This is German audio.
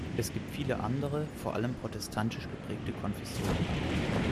Es gibt viele andere, vor allem protestantisch geprägte Konfessionen.